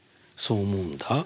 そう思うんだ。